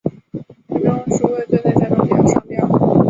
陈仲书畏罪在家中上吊。